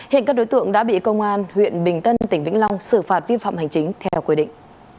hiện các đối tượng đã bị công an huyện bình tân tỉnh vĩnh long xử phạt vi phạm hành chính theo quy định